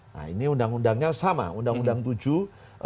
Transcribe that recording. nah ini undang undangnya sama undang undang tujuh dua ribu tujuh belas